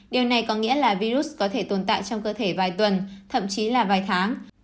điều này có nghĩa là virus có thể tồn tại trong cơ thể vài tuần thậm chí là vài tháng